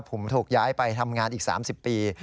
ผมถูกย้ายไปทำงานอีก๓๐ปี